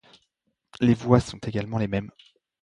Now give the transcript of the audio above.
Les voix sont également les mêmes.